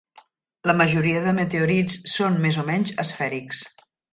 La majoria de meteorits són més o menys esfèrics.